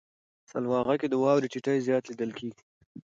سلواغه کې د واورې ټيټی زیات لیدل کیږي.